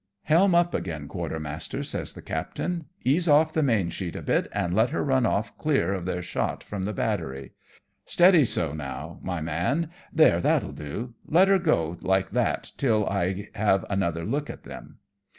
" Helm up again, quartermaster," says the captain. " Ease off the main sheet a bit, and let her run off clear of their shot from the battery. Steady, so, now, my man ; there, that'll do ; let her go like that till I have another look at them."